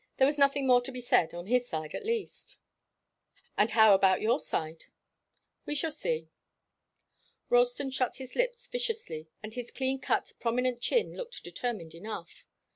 There was nothing more to be said on his side, at least." "And how about your side?" "We shall see." Ralston shut his lips viciously and his clean cut, prominent chin looked determined enough.